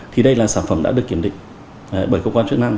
thì đây là sản phẩm đã được kiểm định bởi công an chức năng